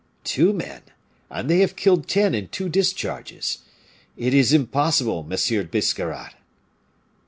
"Two men and they have killed ten in two discharges! It is impossible, Monsieur Biscarrat!"